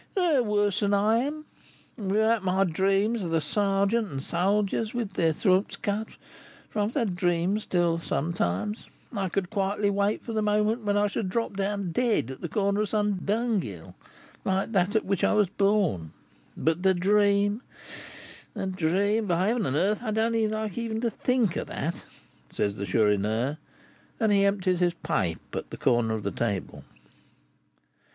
"There are worse than I am; and without my dreams of the sergeant and soldiers with their throats cut, for I have the dream still sometimes, I could quietly wait for the moment when I should drop down dead at the corner of some dunghill, like that at which I was born; but the dream the dream by heaven and earth! I don't like even to think of that," said the Chourineur, and he emptied his pipe at the corner of the table.